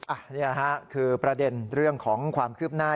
อันนี้คือประเด็นเรื่องของความคืบหน้า